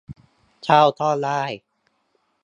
เช่าก็ได้